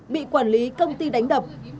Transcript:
bị quản lý công ty đánh đập